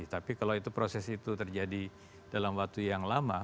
tapi kalau itu proses itu terjadi dalam waktu yang lama